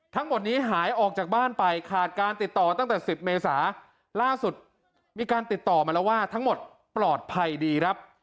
ทั้งหมดนี้หายออกจากบ้านไปขาดการติดต่อตั้งแต่๑๐เมษาล่าสุดมีการติดต่อมาแล้วว่าทั้งหมดปลอดภัยดีครับ